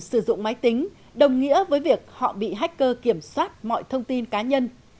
sử dụng máy tính đồng nghĩa với việc họ bị hacker kiểm soát mọi thông tin cá nhân